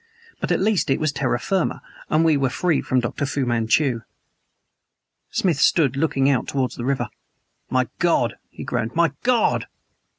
But at least it was terra firma and we were free from Dr. Fu Manchu. Smith stood looking out towards the river. "My God!" he groaned. "My God!"